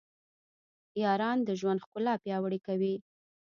یاران د ژوند ښکلا پیاوړې کوي.